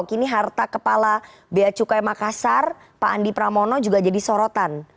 kini harta kepala bacukai makassar pak andi pramono juga jadi sorotan